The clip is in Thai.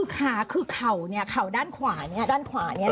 ขาคือเข่าเนี่ยเข่าด้านขวาเนี่ยด้านขวาเนี่ย